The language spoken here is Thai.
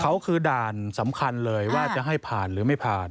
เขาคือด่านสำคัญเลยว่าจะให้ผ่านหรือไม่ผ่าน